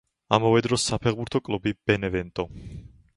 ამავე დროს საფეხბურთო კლუბი „ბენევენტო“.